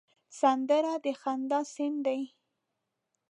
سندره د خندا سند دی